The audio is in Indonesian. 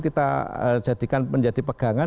kita jadikan menjadi pegangan